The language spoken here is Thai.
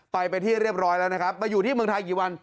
ไปไปที่เรียบร้อยแล้วนะครับมาอยู่ที่เมืองไทยกี่วัน